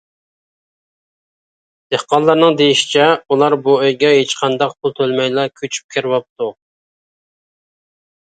دېھقانلارنىڭ دېيىشىچە، ئۇلار بۇ ئۆيگە ھېچقانداق پۇل تۆلىمەيلا كۆچۈپ كىرىۋاپتۇ.